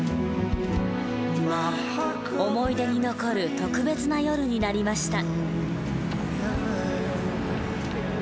思い出に残る特別な夜になりました。